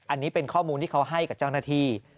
อันนี้เป็นข้อมูลที่เขาให้กับเจ้าหน้าที่